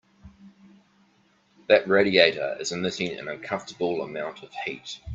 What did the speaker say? That radiator is emitting an uncomfortable amount of heat.